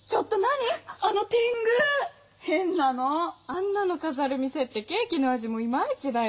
あんなのかざる店ってケーキの味もイマイチだよ！